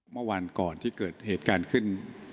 เมื่อวานก่อนที่เกิดเหตุการณ์ขึ้น